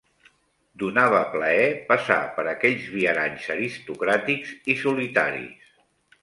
Donava plaer passar per aquells viaranys aristocràtics i solitaris